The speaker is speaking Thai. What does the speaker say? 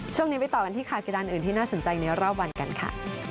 ช่วงนี้ไปต่อกันที่ข่าวกีฬานอื่นที่น่าสนใจในรอบวันกันค่ะ